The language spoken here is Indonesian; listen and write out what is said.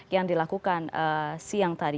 yang dilakukan siang tadi